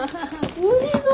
おいしそう。